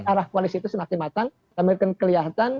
arah koalisi itu semakin matang semakin kelihatan